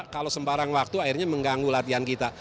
kalau sembarang waktu akhirnya mengganggu latihan kita